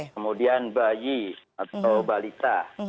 kemudian bayi atau balita